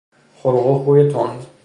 خلق و خوی تند